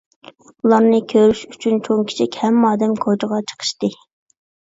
ئۇلارنى كۆرۈش ئۈچۈن چوڭ - كىچىك ھەممە ئادەم كوچىغا چىقىشتى.